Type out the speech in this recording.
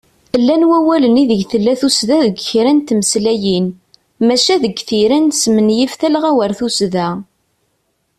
Llan wawalen ideg tella tussda deg kra n tmeslayin, maca deg tira nesmenyif talɣa war tussda.